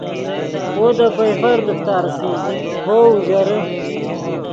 وو دے پئیفر دیفا ریسئے ڤؤ اوژرے